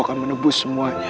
aku akan menegus semuanya